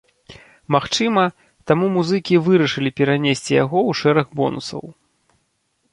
Магчыма, таму музыкі і вырашылі перанесці яго ў шэраг бонусаў.